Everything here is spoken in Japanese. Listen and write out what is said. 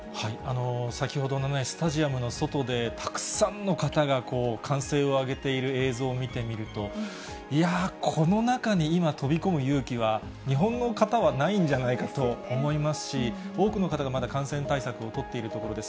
先ほどのね、スタジアムの外で、たくさんの方が歓声を上げている映像を見てみると、いやぁ、この中に今、飛び込む勇気は、日本の方はないんじゃないかと思いますし、多くの方がまだ感染対策を取っているところです。